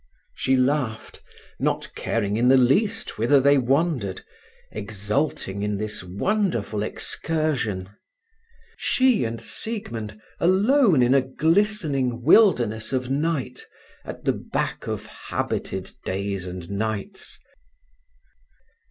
She laughed, not caring in the least whither they wandered, exulting in this wonderful excursion! She and Siegmund alone in a glistening wilderness of night at the back of habited days and nights!